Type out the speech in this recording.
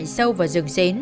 nghĩa chạy sâu vào rừng xến